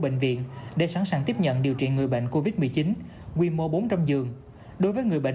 bệnh viện để sẵn sàng tiếp nhận điều trị người bệnh covid một mươi chín quy mô bốn trăm linh giường đối với người bệnh